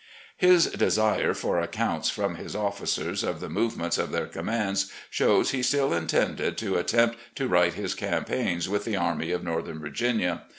His desire for accounts from his officers of the move ments of their commands shows he still intended to attempt to write his campaigns with the Army of N orthem Virginia.